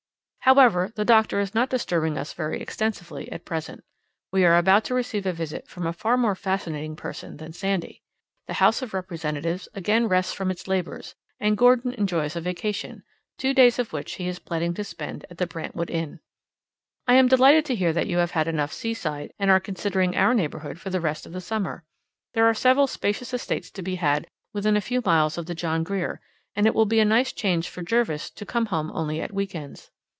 However, the doctor is not disturbing us very extensively at present. We are about to receive a visit from a far more fascinating person than Sandy. The House of Representatives again rests from its labors, and Gordon enjoys a vacation, two days of which he is planning to spend at the Brantwood Inn. I am delighted to hear that you have had enough seaside, and are considering our neighborhood for the rest of the summer. There are several spacious estates to be had within a few miles of the John Grier, and it will be a nice change for Jervis to come home only at week ends.